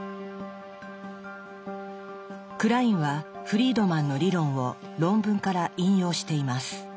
クラインはフリードマンの理論を論文から引用しています。